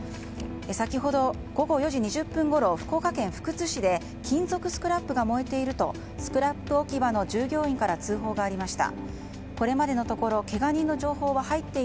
先ほど、午後４時２０分ごろ福岡県福津市で金属スクラップが燃えているとスクラップ置き場の従業員から通報がありました。